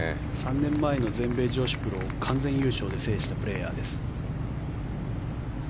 ３年前の全米女子プロ完全優勝で制したプレーヤーです。